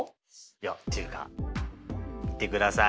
いやっていうか見てください。